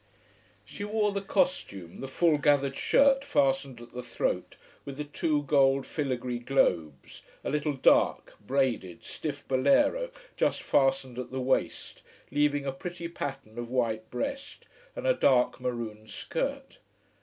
She wore the costume: the full gathered shirt fastened at the throat with the two gold filigree globes, a little dark, braided, stiff bolero just fastened at the waist, leaving a pretty pattern of white breast, and a dark maroon skirt.